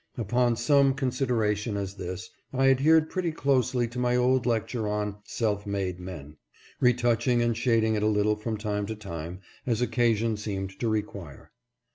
Upon some such consideration as this I adhered pretty closely to my old lecture on " Self made Men," retouching and shading it a little from time to time as occasion seemed to require.